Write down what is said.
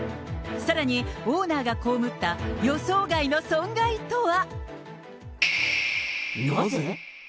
さらにオーナーが被った予想外の損害とは。